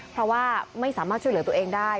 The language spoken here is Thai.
เพราะว่าไม่สามารถช่วยเหลือตัวเองได้